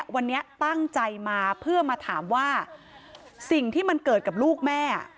วันนี้ตั้งใจมาเพื่อมาถามว่าสิ่งที่มันเกิดกับลูกแม่